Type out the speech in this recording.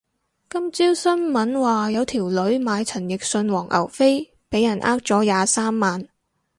今朝新聞話有條女買陳奕迅黃牛飛俾人呃咗廿三萬